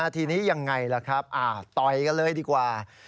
ทีนี้ยังไงล่ะครับต่อยกันเลยดีกว่า